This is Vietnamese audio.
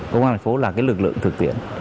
công an thành phố là cái lực lượng thực tiễn